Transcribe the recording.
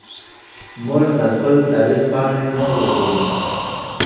موږ د خپل تاریخ پاڼې نه ورکوو.